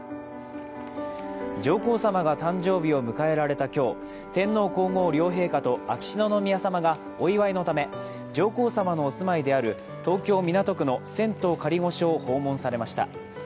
上皇さまが誕生日を迎えられた今日、天皇皇后両陛下と秋篠宮さまがお祝いのため、上皇さまのお住まいである東京・港区の仙洞仮御所を訪問されました。